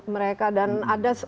mereka dan ada